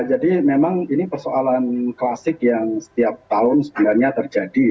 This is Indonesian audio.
jadi memang ini persoalan klasik yang setiap tahun sebenarnya terjadi